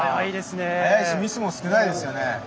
速いしミスも少ないですよね。